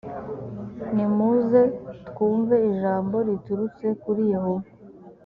nimuze twumve ijambo riturutse kuri yehova